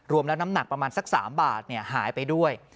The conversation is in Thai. รวมแล้วน้ำหนักประมาณสัก๓บาทหายไปด้วย